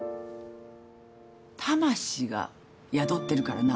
魂が宿ってるからな。